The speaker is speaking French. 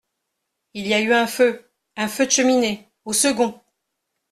Il y a eu un feu… un feu de cheminée !… au second…